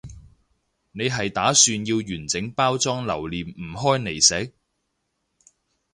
你係打算要完整包裝留念唔開嚟食？